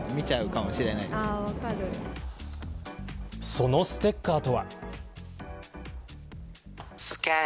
そのステッカーとは。